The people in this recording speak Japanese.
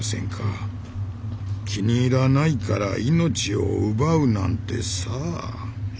気に入らないから命を奪うなんてさ。